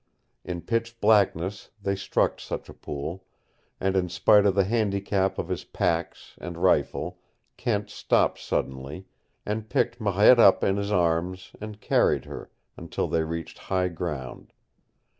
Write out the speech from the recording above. In pitch blackness they struck such a pool, and in spite of the handicap of his packs and rifle Kent stopped suddenly, and picked Marette up in his arms, and carried her until they reached high ground.